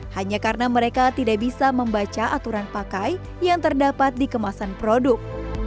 hanya karena mereka tidak bisa membaca aturan pakai yang terdapat di kemasan produk